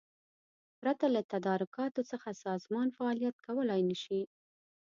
پرته له تدارکاتو څخه سازمان فعالیت کولای نشي.